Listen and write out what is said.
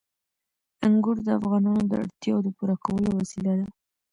انګور د افغانانو د اړتیاوو د پوره کولو وسیله ده.